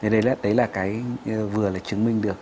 đấy là cái vừa là chứng minh được